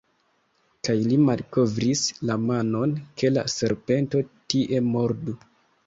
Kaj li malkovris la manon, ke la serpento tie mordu.